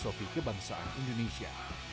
sofi kebangsaan indonesia